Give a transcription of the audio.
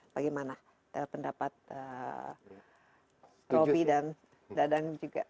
bagaimana pendapat robby dan dadang juga